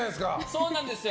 そうなんですよ。